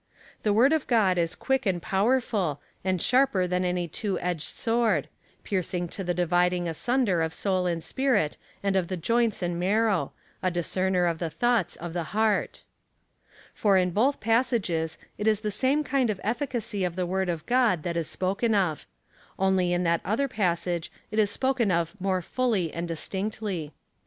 The Word of God is quick and powerfid, and sharper than any two edged sword; piercing to the dividing asunder of soul and spirit, and of the joints and marrow — a discerner of the thoughts of the heart} For in both passages, it is the same kind of efficacy of the Word of God that is spoken of : only in that other passage it is spoken of more fully and distinctly.